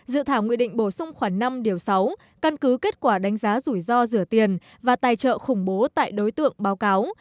dự thảo nghị định bổ sung khoảng năm điều sáu căn cứ kết quả đánh giá rủi ro rửa tiền và tài trợ khủng bố tại đối tượng báo cáo